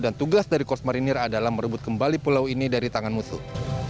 dan tugas dari korps marinir adalah merebut kembali pulau ini dari tangan musuh